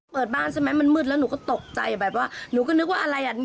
เปิดบ้านใช่ไหมมันมืดแล้วหนูก็ตกใจแบบว่าหนูก็นึกว่าอะไรอ่ะ